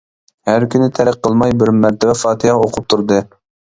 ھەر كۈنى تەرك قىلماي بىر مەرتىۋە فاتىھە ئوقۇپ تۇردى.